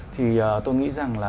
thì tôi nghĩ rằng là